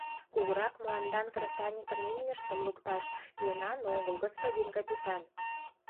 — Кугурак мландан кресаньыкын имньыштым лукташ йӧнан огыл, господин капитан.